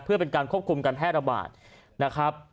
เพื่อเป็นการควบคุมการแพร่ระบาดนะครับ